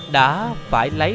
đã phải lấy